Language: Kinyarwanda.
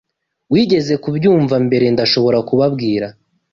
Wigeze kubyumva mbere, ndashobora kubabwira.